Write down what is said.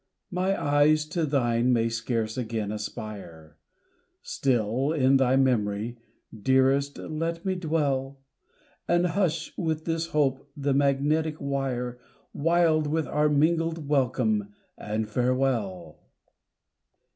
My eyes to thine may scarce again aspire Still in thy memory, dearest let me dwell, And hush, with this hope, the magnetic wire, Wild with our mingled welcome and farewell!